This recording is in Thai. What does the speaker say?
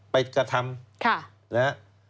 ไปกระทำ